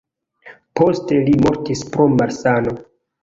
Poste li mortis pro malsano.